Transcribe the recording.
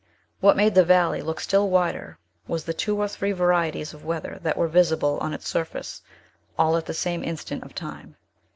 What made the valley look still wider was the two or three varieties of weather that were visible on its surface, all at the same instant of time.